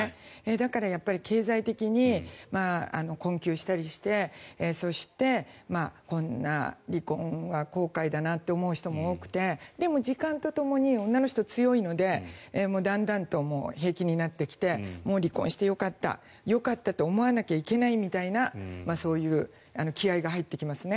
だから、経済的に困窮したりしてそして、こんな離婚は後悔だなんて思う人も多くてでも、時間とともに女の人は強いのでだんだんと平気になってきて離婚してよかったよかったと思わなきゃいけないみたいなそういう気合が入ってきますね。